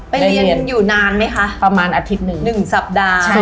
เรียนอยู่นานไหมคะประมาณอาทิตย์หนึ่งหนึ่งสัปดาห์